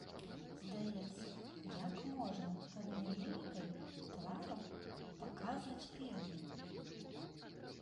Здаецца, як можна адной мімікай твару паказваць пеўня?